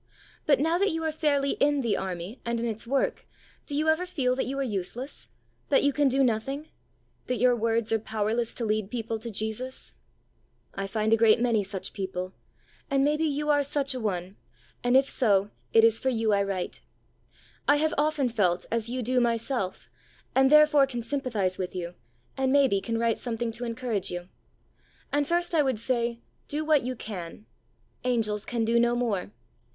But now that you are fairly in The Army and in its work, do you ever feel that you are useless ; that you can do nothing ; that your words are powerless to lead people to Jesus ? I find a great many such people, and may be you are such an one, and if so, it is for you I write. I have often felt as you do myself, and therefore can sympathise with you, and may be can write something to encourage you. And first I would say, do what you can, " Angels can do no more."